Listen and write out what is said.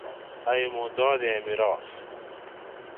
ائ موں دادویئیں میراث